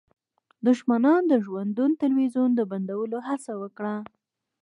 دښمنانو د ژوندون تلویزیون د بندولو هڅه وکړه